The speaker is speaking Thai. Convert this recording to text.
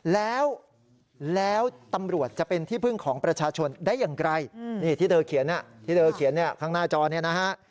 แล้วแล้วตำรวจจะเป็นที่พึ่งของประชาชนได้อย่างไรนี่ที่เธอเขียนที่เธอเขียนเนี่ยข้างหน้าจอเนี่ยนะฮะ